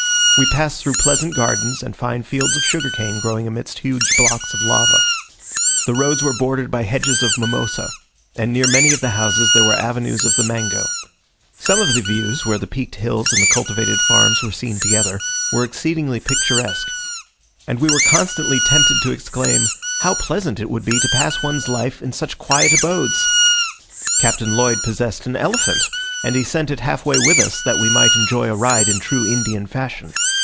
We passed through pleasant gardens, and fine fields of sugar cane growing amidst huge blocks of lava. The roads were bordered by hedges of Mimosa, and near many of the houses there were avenues of the mango. Some of the views, where the peaked hills and the cultivated farms were seen together, were exceedingly picturesque; and we were constantly tempted to exclaim, "How pleasant it would be to pass one's life in such quiet abodes!" Captain Lloyd possessed an elephant, and he sent it half way with us, that we might enjoy a ride in true Indian fashion.